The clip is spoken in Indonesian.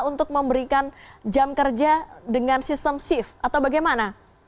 untuk memberikan jam kerja dengan sistem shift atau bagaimana